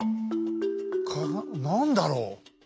何だろう？